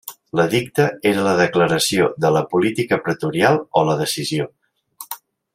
L'edicte era la declaració de la política pretorial o la decisió.